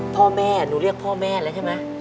พ่อแม่หนูเรียกพ่อแม่แล้วใช่ไหม